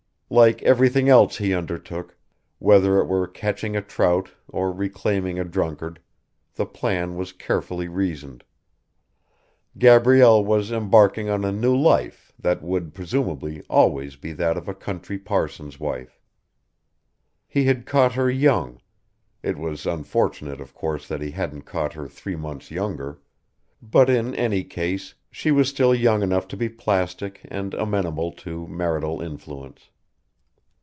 Like everything else he undertook, whether it were catching a trout or reclaiming a drunkard, the plan was carefully reasoned. Gabrielle was embarking on a new life that would, presumably, always be that of a country parson's wife. He had caught her young it was unfortunate, of course, that he hadn't caught her three months younger but in any case she was still young enough to be plastic and amenable to marital influence.